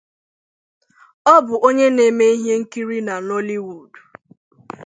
Ọ bụ onye na-eme ihe nkiri na Nollywood.